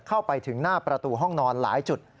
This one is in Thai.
เข้าไปถึงหน้าประตูห้องนอนหลายจุด